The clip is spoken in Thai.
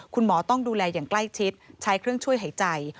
คุณหมอต้องดูแลอย่างใกล้ชิดใช้เครื่องช่วยหายใจ